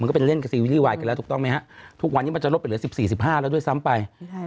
มันก็เป็นเล่นกับซีรีย์วายกันแล้วถูกต้องมั้ยฮะทุกวันนี้มันจะลดไปเหลือสิบสี่สิบห้าแล้วด้วยซ้ำไป